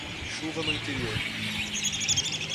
Chuva no interior